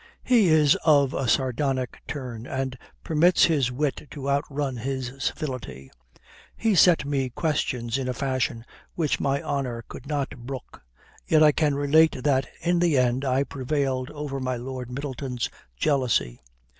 He is of a sardonic turn, and permits his wit to outrun his civility. He set me questions in a fashion which my honour could not brook. Yet I can relate that in the end I prevailed over my Lord Middleton's jealousy.